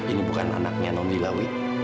ini bukan anaknya noni lawit